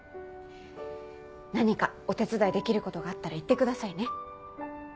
何かお手伝いできることがあったら言ってくださいね。